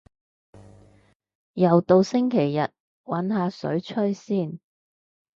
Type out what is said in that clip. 又到星期日，搵下水吹先